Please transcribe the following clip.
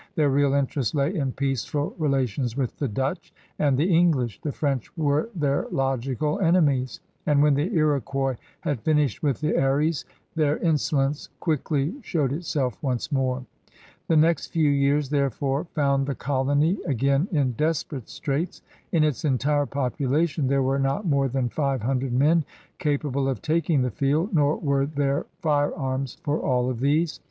Their real interest lay in peaceful relations with the Dutch and the English; the French were their logical enemies; and when the Iroquois had finished with the Eries their insolence quickly showed itself once more. The next few years therefore foimd the colony 58 CRUSADERS OF NEW FRANCE again in deiq>erate straits. In its entire population there were not more than five hundred men capa ble of taking the field, nor were there firearms for all of these.